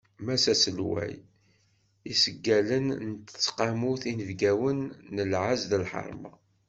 Mass Aselway, iɛeggalen n tesqamut inebgawen n lɛez d lḥerma.